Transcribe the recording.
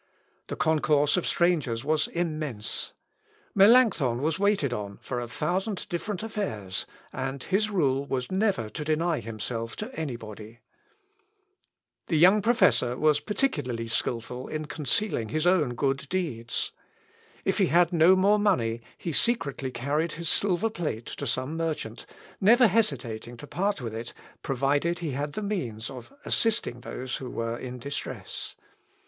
The concourse of strangers was immense. Melancthon was waited on for a thousand different affairs, and his rule was never to deny himself to any body. The young professor was particularly skilful in concealing his own good deeds. If he had no more money he secretly carried his silver plate to some merchant, never hesitating to part with it, provided he had the means of assisting those who were in distress.